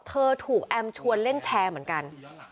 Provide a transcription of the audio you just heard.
เธอถูกแอมชวนเล่นแชร์เหมือนกัน